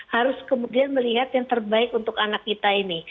harus kemudian melihat yang terbaik untuk anak kita ini